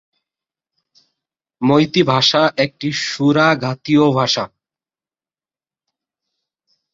মৈতৈ ভাষা একটি সুরাঘাতীয় ভাষা।